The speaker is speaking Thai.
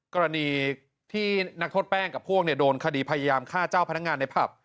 กรณีที่นักโทษแป้งกับพวกโดนคดีพยายามฆ่าเจ้าพนักงานในผับ